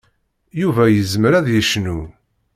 Yuba yezmer ad yecnu.